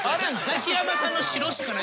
ザキヤマさんの白しか。